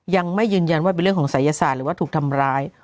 ยังไม่ยืนยันว่าเป็นเรื่องของศัยศาสตร์หรือว่าถูกทำร้าย